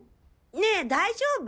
ねえ大丈夫？